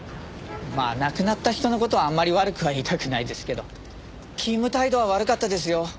まあ亡くなった人の事をあんまり悪くは言いたくないですけど勤務態度は悪かったですよ。